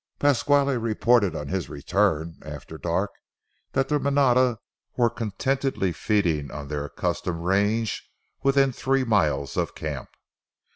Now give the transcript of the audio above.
Pasquale reported on his return after dark that the manada were contentedly feeding on their accustomed range within three miles of camp.